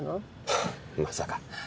フッまさか。